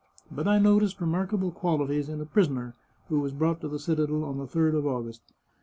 But I noticed remarkable qualities in a prisoner who was brought to the citadel on the third of August.